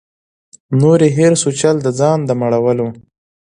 نور یې هېر سو چل د ځان د مړولو